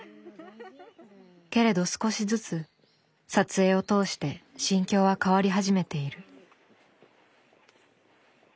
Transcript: けれど少しずつ撮影を通して心境は変わり始めている。